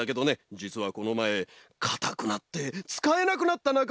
じつはこのまえかたくなってつかえなくなったなかまがいてね。